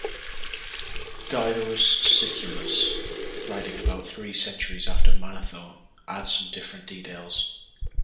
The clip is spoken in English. Diodorus Siculus, writing about three centuries after Manetho, adds some different details.